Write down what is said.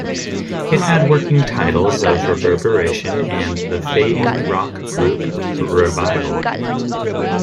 It had working titles of "Reverberation" and "The Fading Rock Group Revival".